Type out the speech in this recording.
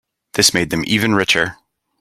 This made them even richer.